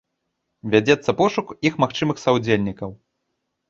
Вядзецца пошук іх магчымых саўдзельнікаў.